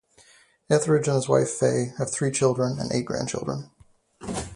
Etheridge and his wife Faye have three children and eight grandchildren.